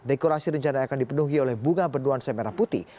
dekorasi rencana akan dipenuhi oleh bunga penuhan semerah putih